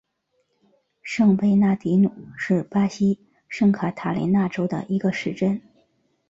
圣贝纳迪努是巴西圣卡塔琳娜州的一个市镇。